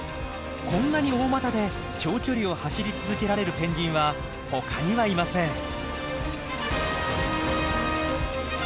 こんなに大股で長距離を走り続けられるペンギンは他にはいません。